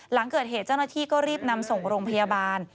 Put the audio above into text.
หลังเกิดเหตุเจ้าหน้าที่ก็รีบนำส่งโรงพยาบาล